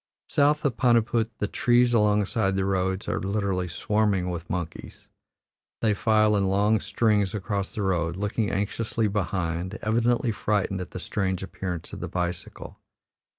South of Paniput the trees alongside the road are literally swarming with monkeys; they file in long strings across the road, looking anxiously behind, evidently frightened at the strange appearance of the bicycle.